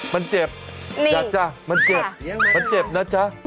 มันเจ็บอย่าจ้ะมันเจ็บมันเจ็บนะจ๊ะ